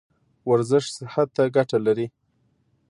ورزش صحت ته ګټه لري